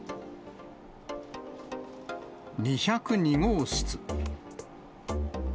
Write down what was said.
２０２号室。